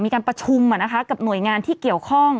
มีการประชุมกับหน่วยงานที่เกี่ยวข้อง